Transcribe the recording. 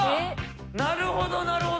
なるほどなるほど。